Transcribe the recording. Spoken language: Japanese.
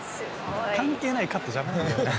関係ないカット邪魔なんだよな。